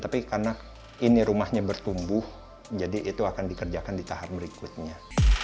tapi karena ini rumahnya bertumbuh jadi itu akan dikerjakan di tahap berikutnya